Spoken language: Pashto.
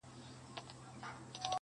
پاس د مځکي پر سر پورته عدالت دئ.!